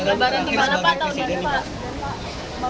lebaran tahun ini berlebaran sebagai presiden pak